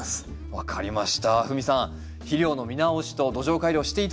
分かりました。